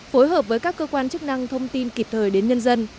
phối hợp với các cơ quan chức năng thông tin kịp thời đến nhân dân